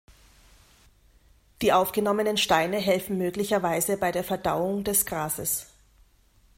Die aufgenommenen Steine helfen möglicherweise bei der Verdauung des Grases.